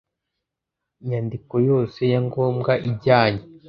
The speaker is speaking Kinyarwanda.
Nyandiko yose ya ngombwa ijyanye